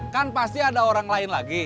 kan pasti ada orang lain lagi